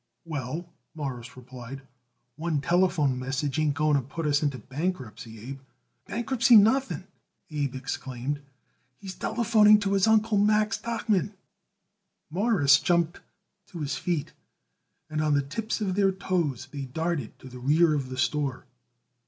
"Well," Morris replied, "one telephone message ain't going to put us into bankruptcy, Abe." "Bankruptcy, nothing!" Abe exclaimed. "He's telephoning to his Uncle Max Tuchman." Morris jumped to his feet, and on the tips of their toes they darted to the rear of the store.